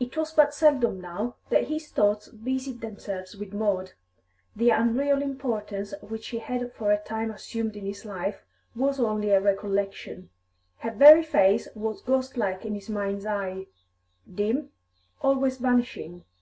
It was but seldom now that his thoughts busied themselves with Maud; the unreal importance which she had for a time assumed in his life was only a recollection; her very face was ghostlike in his mind's eye, dim, always vanishing.